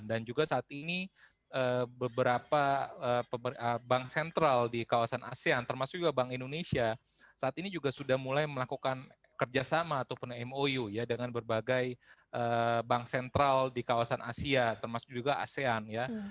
dan juga saat ini beberapa bank sentral di kawasan asean termasuk juga bank indonesia saat ini juga sudah mulai melakukan kerjasama ataupun mou ya dengan berbagai bank sentral di kawasan asia termasuk juga asean ya